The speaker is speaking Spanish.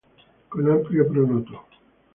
Con amplio pronoto.